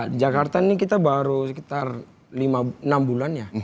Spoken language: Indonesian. di jakarta ini kita baru sekitar enam bulan ya